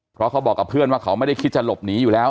เพราะเขาบอกกับเพื่อนว่าเขาไม่ได้คิดจะหลบหนีอยู่แล้ว